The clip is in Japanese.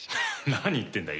何言ってんだ。